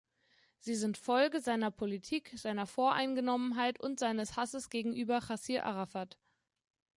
Sie sind Folge seiner Politik, seiner Voreingenommenheit und seines Hasses gegenüber Jassir Arafat.